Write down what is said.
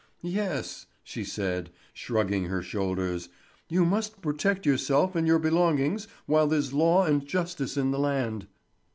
"Yes!" she said, shrugging her shoulders. "You must protect yourself and your belongings while there's law and justice in the land."